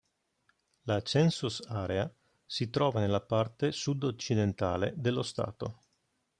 La "census area" si trova nella parte sud-occidentale dello stato.